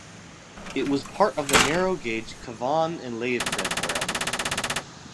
It was part of the narrow gauge Cavan and Leitrim Railway.